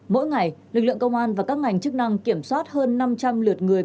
mỗi ngày lực lượng công an và các ngành chức năng kiểm soát hơn năm trăm linh lượt người